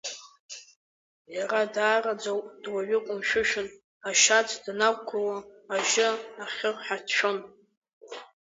Иара даараӡа дуаҩы ҟәымшәышәын, ашьац данақәгыло ажьы ахьыр ҳәа дшәон.